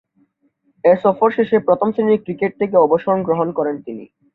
এ সফর শেষে প্রথম-শ্রেণীর ক্রিকেট থেকে অবসরগ্রহণ করেন তিনি।